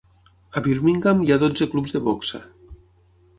A Birmingham hi ha dotze clubs de boxa.